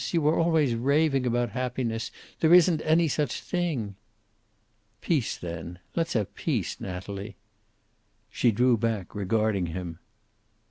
You are always raving about happiness. There isn't any such thing." "Peace, then. Let's have peace, Natalie." She drew back, regarding him.